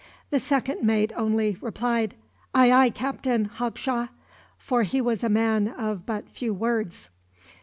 The second mate only replied, "Ay, ay, Captain Hawkshaw," for he was a man of but few words.